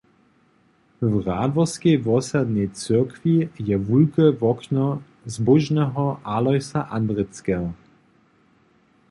W Radworskej wosadnej cyrkwi je wulke wokno zbóžneho Alojsa Andrickeho.